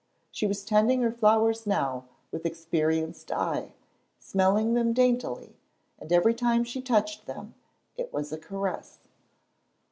She was tending her flowers now with experienced eye, smelling them daintily, and every time she touched them it was a caress.